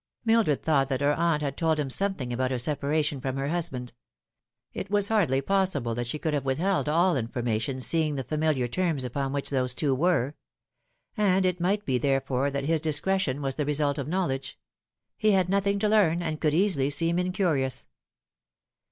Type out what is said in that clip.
Mildred thought that her aunt had told him something about her separation from her husband. It was hardly possible that she could have with held all information, seeing the familiar terms upon which those two were ; and it might be, therefore, that his discretion was the result of knowledge. He had nothing to learn, and could easily seem incurious.